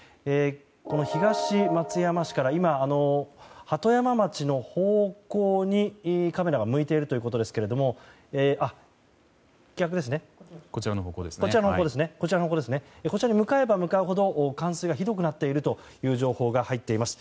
この東松山市から今、鳩山町の方向にカメラが向いていますがこちらに向かえば向かうほど冠水がひどくなっているという情報が入っています。